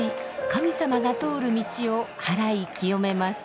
神様が通る道を祓い清めます。